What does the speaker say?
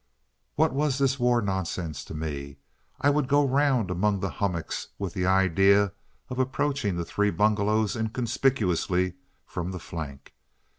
What was this war nonsense to me? I would go round among the hummocks with the idea of approaching the three bungalows inconspicuously from the flank.